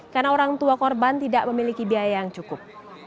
karena orang tua korban tidak memiliki biaya yang cukup